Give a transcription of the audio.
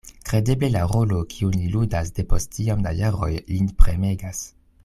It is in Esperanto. Kredeble la rolo, kiun li ludas depost tiom da jaroj, lin premegas.